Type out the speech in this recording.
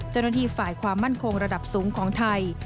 เจ้าหน้าที่ฝ่ายความมั่นคงระดับสูงของไทย